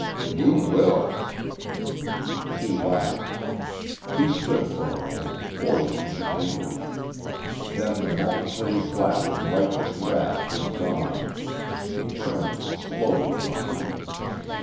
"You will!" She laughed. He stood for a moment, poised in anger. Then the momentary flash of righteous wrath was gone. He turned, slowly, from her.